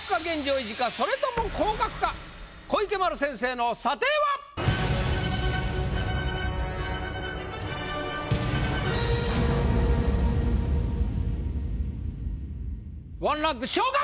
それとも小池丸先生の査定は⁉１ランク昇格！